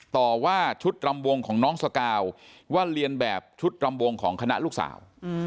ต่อว่าชุดรำวงของน้องสกาวว่าเรียนแบบชุดรำวงของคณะลูกสาว